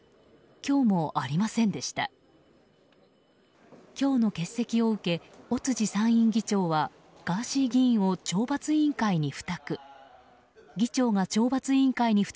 今日の欠席を受け尾辻参院議長はガーシー氏を懲罰委員会に付託。